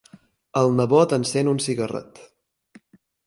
El nebot encén un cigarret.